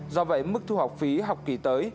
do vậy mức thu học phí học kỳ tới